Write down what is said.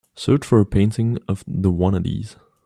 search for a painting of The Wannadies